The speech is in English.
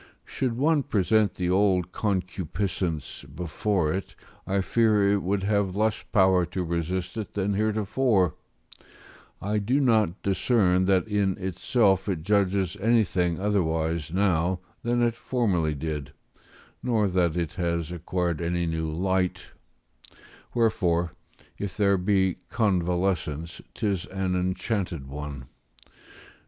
Should one present the old concupiscence before it, I fear it would have less power to resist it than heretofore; I do not discern that in itself it judges anything otherwise now than it formerly did, nor that it has acquired any new light: wherefore, if there be convalescence, 'tis an enchanted one.